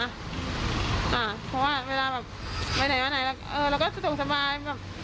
เพราะว่าเวลาแบบไปไหนมาไหนแล้วก็สนุกสบาย